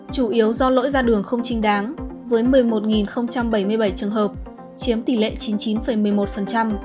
chủ yếu do lỗi ra đường không chính đáng với một mươi một bảy mươi bảy trường hợp chiếm tỷ lệ chín mươi chín một mươi một